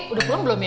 udah pulang belum ya